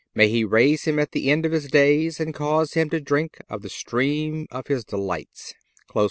May He raise him at the end of his days and cause him to drink of the stream of His delights."